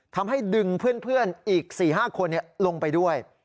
ทำให้ดึงเพื่อนอีก๔๕คนลงไปด้วย